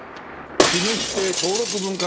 「国指定登録文化財」です。